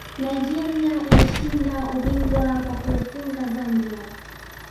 nigeria ilishinda ubingwa kwa kuifunga zambia